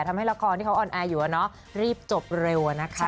ทำให้ละครที่เขาออนแอร์อยู่รีบจบเร็วอะนะคะ